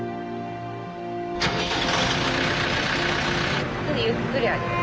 ゆっくりゆっくり上げる。